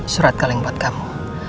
surat kaleng buat kamu